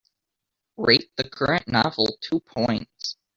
Rate the current novel two points